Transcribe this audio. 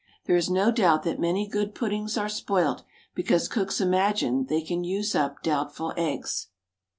There is no doubt that many good puddings are spoilt because cooks imagine they can use up doubtful eggs.